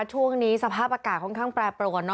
ช่วงนี้สภาพอากาศค่อนข้างแปรปรวน